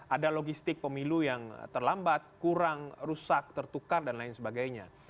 ada logistik pemilu yang terlambat kurang rusak tertukar dan lain sebagainya